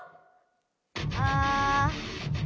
ああ。